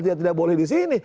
dia tidak boleh di sini